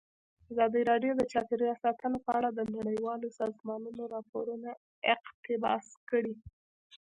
ازادي راډیو د چاپیریال ساتنه په اړه د نړیوالو سازمانونو راپورونه اقتباس کړي.